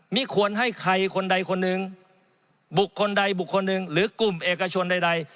ไม่ควรให้ใครคนใดคนหนึ่งบุคคลใดบุคคลหนึ่งหรือกลุ่มเอกชนใด